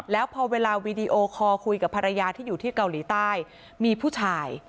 แล้วพอเวลาวีดีโอคอลคุยกับภรรยาที่อยู่ที่เกาหลีใต้มีผู้ชาย